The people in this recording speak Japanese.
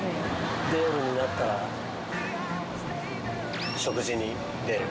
で夜になったら食事に出る。